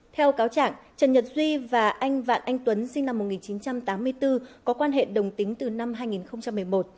theo cáo chẳng nhật duy và anh vạn anh tuấn sinh năm một nghìn chín trăm tám mươi bốn có quan hệ đồng tính từ năm hai nghìn một mươi một